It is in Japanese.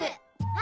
あ！